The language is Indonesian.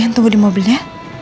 sayang tunggu di mobilnya